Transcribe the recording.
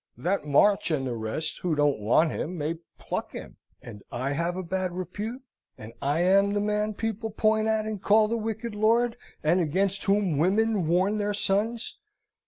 that March and the rest, who don't want him, may pluck him! And I have a bad repute; and I am the man people point at, and call the wicked lord, and against whom women warn their sons!